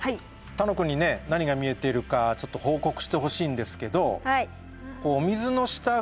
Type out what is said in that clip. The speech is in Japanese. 楽くんにね何が見えているかちょっと報告してほしいんですけど。